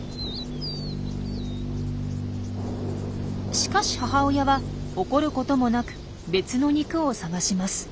しかし母親は怒ることもなく別の肉を探します。